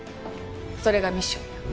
それがミッションよ。